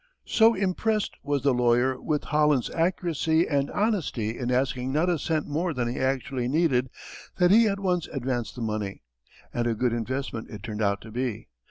So impressed was the lawyer with Holland's accuracy and honesty in asking not a cent more than he actually needed that he at once advanced the money. And a good investment it turned out to be.